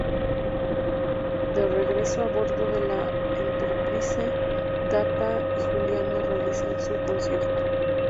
De regreso a bordo de la "Enterprise", Data y Juliana realizan su concierto.